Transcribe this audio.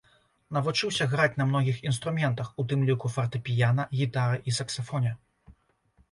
Навучыўся граць на многіх інструментах, у тым ліку фартэпіяна, гітары і саксафоне.